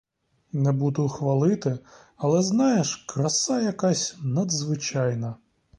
Не буду хвалити, але, знаєш, краса якась надзвичайна.